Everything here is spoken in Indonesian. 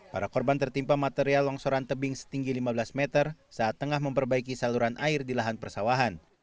para korban tertimpa material longsoran tebing setinggi lima belas meter saat tengah memperbaiki saluran air di lahan persawahan